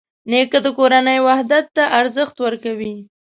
نیکه د کورنۍ وحدت ته ارزښت ورکوي.